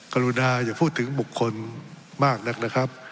กรุณาอย่าพูดถึงบุคคลมากนักนะครับ